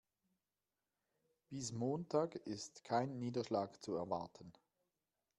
Bis Montag ist kein Niederschlag zu erwarten.